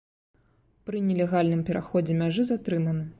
Пры нелегальным пераходзе мяжы затрыманы.